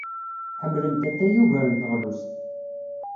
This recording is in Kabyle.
Ḥemmlent atay ugar n teɣlust.